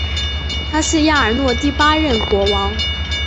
他是亚尔诺第八任国王。